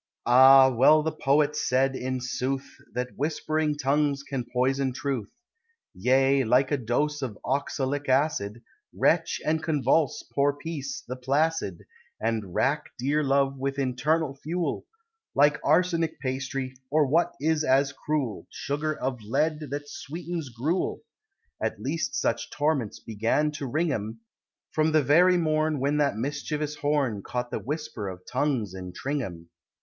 Ah! well the Poet said, in sooth, That "whispering tongues can poison Truth," Yea, like a dose of oxalic acid, Wrench and convulse poor Peace, the placid, And rack dear Love with internal fuel, Like arsenic pastry, or what is as cruel, Sugar of lead, that sweetens gruel, At least such torments began to wring 'em From the very morn When that mischievous Horn Caught the whisper of tongues in Tringham.